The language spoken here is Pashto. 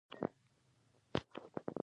د خطر غږونه موږ خبروي.